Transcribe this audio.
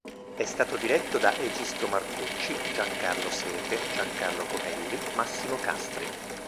È stato diretto da Egisto Marcucci, Giancarlo Sepe, Giancarlo Cobelli, Massimo Castri.